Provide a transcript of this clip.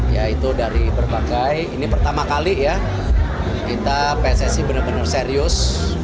yaitu dari berbagai ini pertama kali ya kita pssi benar benar serius